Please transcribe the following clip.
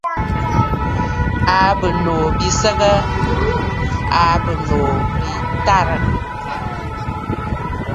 Àa bɨ̀nòò bi səgə? Àa bɨnòò bi tarə̀.